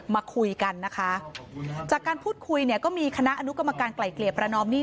มาคุยกันนะคะจากการพูดคุยเนี่ยก็มีคณะอนุกรรมการไกล่เกลี่ยประนอมหนี้